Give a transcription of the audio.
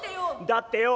「だってよ